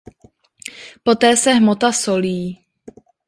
Poté se hmota solí.